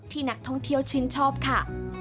นักท่องเที่ยวชื่นชอบค่ะ